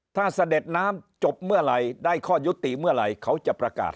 ถ้าเสด็จน้ำจบเมื่อไหร่ได้ข้อยุติเมื่อไหร่เขาจะประกาศ